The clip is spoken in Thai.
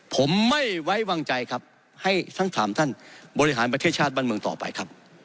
ผมไม่ไว้วางใจครับให้ทั้ง๓ท่านบริหารประเทศชาติบ้านเมืองต่อไปครับ